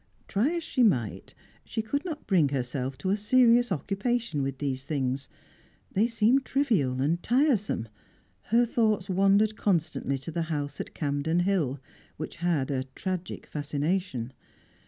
Try as she might, she could not bring herself to a serious occupation with these things; they seemed trivial and tiresome. Her thoughts wandered constantly to the house at Campden Hill, which had a tragic fascination.